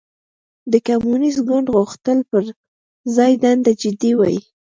د کمونېست ګوند غوښتنو پر ځای دنده جدي وای.